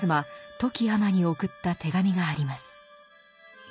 富木尼に送った手紙があります。